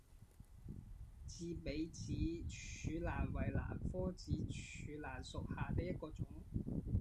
雉尾指柱兰为兰科指柱兰属下的一个种。